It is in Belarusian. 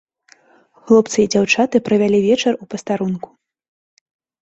Хлопцы і дзяўчаты правялі вечар у пастарунку.